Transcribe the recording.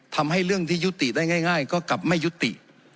ทำให้เรื่องที่ยุติได้ง่ายก็กลับไม่ยุติ